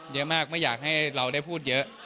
เยอะมากไม่อยากให้เราได้พูดเยอะ